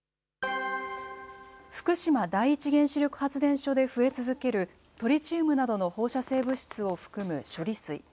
福島第一原子力発電所で増え続けるトリチウムなどの放射性物質を含む処理水。